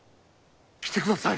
来てください！